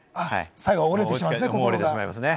折れてしまいますね。